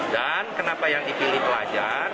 dan kenapa yang dipilih pelajar